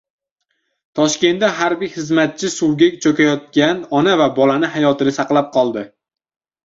Toshkentda harbiy xizmatchi suvga cho‘kayotgan ona va bola hayotini saqlab qoldi